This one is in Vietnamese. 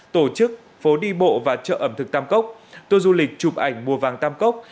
tổ chức phố đi bộ và chợ ẩm thực tam cốc tour du lịch chụp ảnh mùa vàng tam cốc